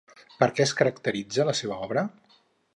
Per què es caracteritza la seva obra?